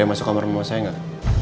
ada masuk kamar mau saya enggak